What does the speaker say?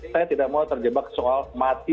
saya tidak mau terjebak soal mati